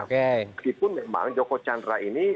meskipun memang joko chandra ini